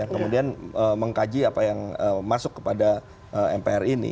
kemudian mengkaji apa yang masuk kepada mpr ini